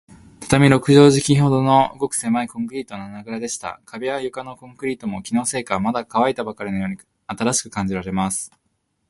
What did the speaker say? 畳六畳敷きほどの、ごくせまいコンクリートの穴ぐらでした。壁や床のコンクリートも、気のせいか、まだかわいたばかりのように新しく感じられます。